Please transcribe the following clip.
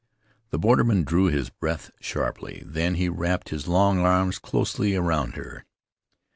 The borderman drew his breath sharply; then he wrapped his long arms closely round her.